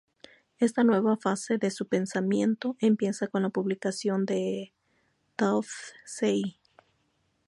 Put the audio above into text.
Esta nueva fase de su pensamiento empieza con la publicación de "Dove sei?